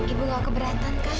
ibu gak keberatan kan